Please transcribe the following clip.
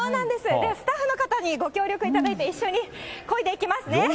では、スタッフの方にご協力いただいて、一緒にこいでいきますね。